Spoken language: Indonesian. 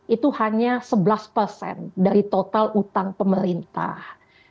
itu hanya sebelas persen dari total utang pemerintah